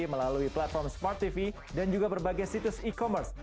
melalui platform smart tv dan juga berbagai situs e commerce